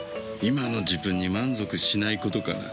今の自分に満足しないことかな。